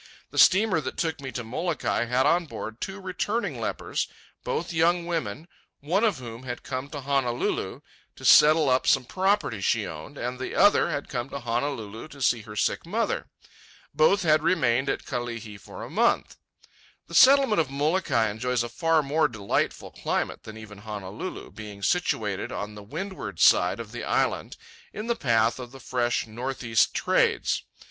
The steamer that took me to Molokai had on board two returning lepers, both young women, one of whom had come to Honolulu to settle up some property she owned, and the other had come to Honolulu to see her sick mother. Both had remained at Kalihi for a month. The Settlement of Molokai enjoys a far more delightful climate than even Honolulu, being situated on the windward side of the island in the path of the fresh north east trades.